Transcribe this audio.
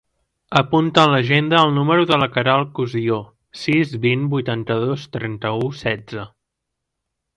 Apunta a l'agenda el número de la Queralt Cosio: sis, vint, vuitanta-dos, trenta-u, setze.